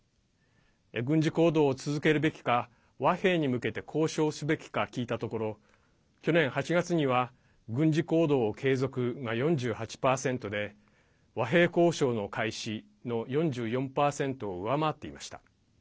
軍事行動を続けるべきか和平に向けて交渉すべきか聞いたところ去年８月には軍事行動を継続が４８％で和平交渉の開始の４４％を上回っていました。